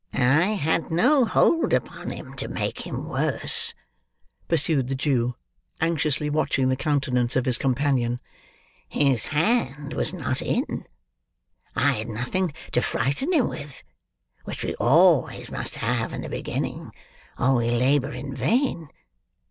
"I had no hold upon him to make him worse," pursued the Jew, anxiously watching the countenance of his companion. "His hand was not in. I had nothing to frighten him with; which we always must have in the beginning, or we labour in vain.